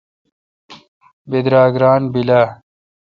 بیدراگ ران بیل اہ؟